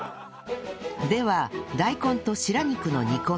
では大根と白肉の煮込み